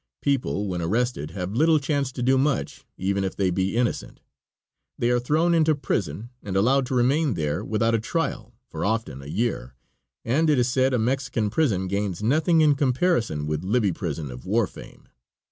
People when arrested have little chance to do much even if they be innocent; they are thrown into prison and allowed to remain there, without a trial, for often a year, and it is said a Mexican prison gains nothing in comparison with Libby prison of war fame.